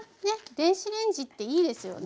電子レンジっていいですよね。